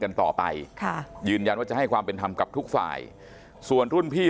กันต่อไปค่ะยืนยันว่าจะให้ความเป็นธรรมกับทุกฝ่ายส่วนรุ่นพี่